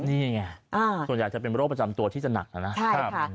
นี่ไงส่วนใหญ่จะเป็นโรคประจำตัวที่จะหนักนะครับ